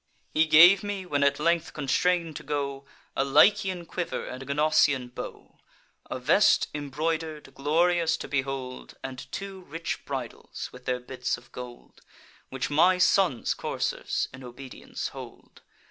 He gave me, when at length constrain'd to go, A Lycian quiver and a Gnossian bow, A vest embroider'd, glorious to behold, And two rich bridles, with their bits of gold, Which my son's coursers in obedience hold.